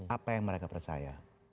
apa yang mereka percaya